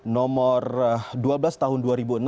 nomor dua belas tahun dua ribu enam